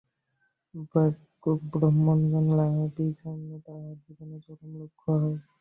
ব্রহ্মজ্ঞান লাভই যেন তাঁহার জীবনের চরম লক্ষ্য হয়।